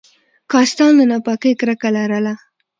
کاستان له ناپاکۍ کرکه لرله.